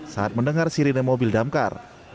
saat mendengar sirine mobil damkar